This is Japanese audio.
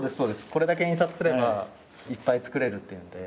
これだけ印刷すればいっぱい作れるっていうんで。